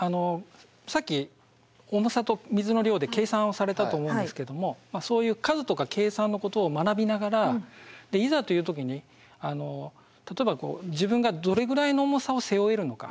さっき重さと水の量で計算をされたと思うんですけどもそういう数とか計算のことを学びながらいざという時に例えば自分がどれぐらいの重さを背負えるのか